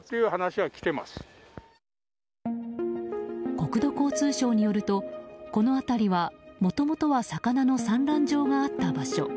国土交通省によるとこの辺りはもともとは魚の産卵場があった場所。